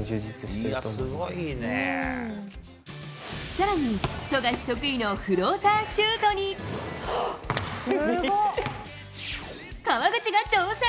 更に富樫得意のフローターシュートに川口が挑戦！